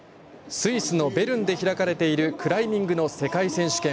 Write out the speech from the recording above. スイスのベルンで開かれているクライミングの世界選手権。